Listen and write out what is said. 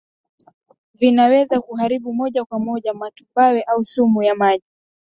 Vinaweza kuharibu moja kwa moja matumbawe au sumu ya maji